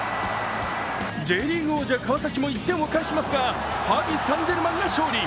Ｊリーグ王者、川崎も１点を返しますが、パリ・サン＝ジェルマンが勝利。